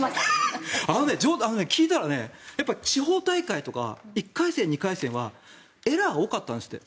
聞いたら、地方大会とか１回戦、２回戦はエラーが多かったんですって。